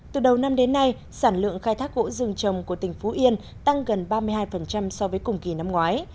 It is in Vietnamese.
từ đầu năm đến nay sản lượng khai thác gỗ rừng trồng của tỉnh phú yên tăng gần ba mươi hai so với cùng kỳ năm ngoái